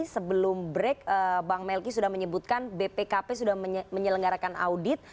sebelum break bang melki sudah menyebutkan bpkp sudah menyelenggarakan audit